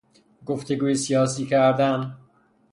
گفتگوی سیاسی کردن